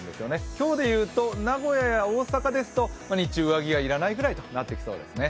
今日でいうと名古屋や大阪ですと日中上着が要らないくらいとなってきそうですね。